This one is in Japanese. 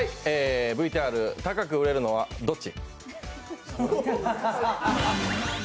ＶＴＲ、高く売れるのはどっち？